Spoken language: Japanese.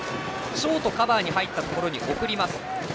ショートカバーに入ったところに送ります。